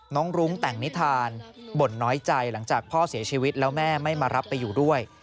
รุ้งแต่งนิทานบ่นน้อยใจหลังจากพ่อเสียชีวิตแล้วแม่ไม่มารับไปอยู่ด้วย